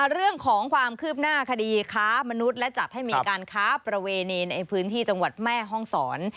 เรื่องของความคืบหน้าคดีค้ามนุษย์และจัดให้มีการค้าประเวณีในพื้นที่จังหวัดแม่ห้องศร